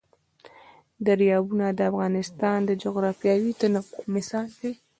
دریابونه د افغانستان د جغرافیوي تنوع مثال دی.